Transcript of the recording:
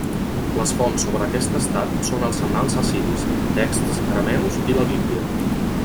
Les fonts sobre aquest estat són els annals assiris, texts arameus i la Bíblia.